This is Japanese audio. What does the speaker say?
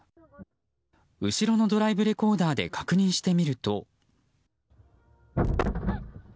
後ろのドライブレコーダーで確認してみると。